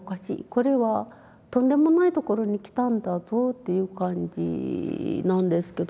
これはとんでもないところに来たんだぞっていう感じなんですけど。